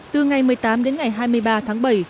từ ngày một mươi tám đến ngày hai mươi ba tháng bảy